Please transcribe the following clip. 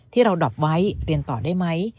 ที่เราดับไว้เรียนต่อได้ไหม